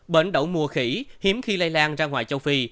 bệnh đậu mùa khỉ hiếm khi lây lan ra ngoài châu phi